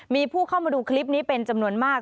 มีผู้เข้ามาดูคลิปนี้เป็นจำนวนมาก